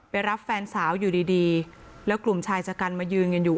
รับแฟนสาวอยู่ดีดีแล้วกลุ่มชายชะกันมายืนกันอยู่